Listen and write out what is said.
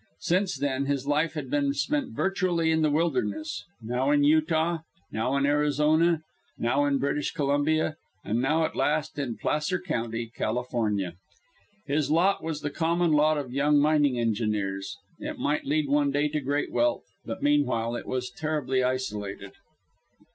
Since then his life had been spent virtually in the wilderness, now in Utah, now in Arizona, now in British Columbia, and now, at last, in Placer County, California. His lot was the common lot of young mining engineers. It might lead one day to great wealth, but meanwhile it was terribly isolated.